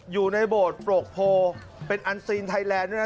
โบสถ์โปรกโพเป็นอันซีนไทยแลนด์ด้วยนะ